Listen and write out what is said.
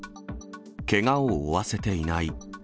けがを負わせていない。